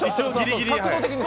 角度的に。